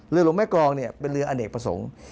เรือหลวงแม่กรอบเป็นเรืออเนกประสงค์